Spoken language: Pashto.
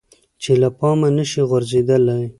چې له پامه نشي غورځیدلی.